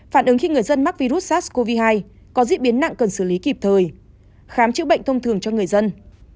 phản ứng khi người dân mắc virus sars cov hai có diễn biến nặng cần xử lý kịp thời khám chữa bệnh thông thường cho người dân